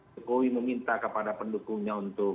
jokowi meminta kepada pendukungnya untuk